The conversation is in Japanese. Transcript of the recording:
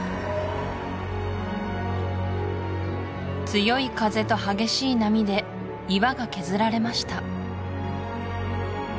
強い風と激しい波で岩が削られました